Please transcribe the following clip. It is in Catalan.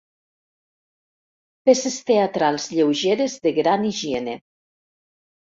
Peces teatrals lleugeres de gran higiene.